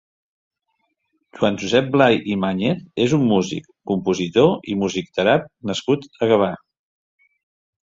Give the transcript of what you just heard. Joan Josep Blay i Màñez és un músic, compositor i musicterap nascut a Gavà.